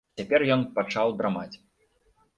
Цяпер ён пачаў драмаць.